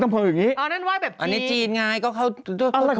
เอาอะของคุณแหละ